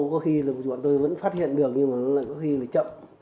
có khi là một chỗ tôi vẫn phát hiện được nhưng mà nó lại có khi là chậm